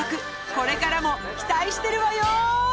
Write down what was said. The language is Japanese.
これからも期待してるわよ！